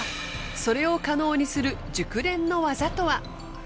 それを可能にする熟練の技とは？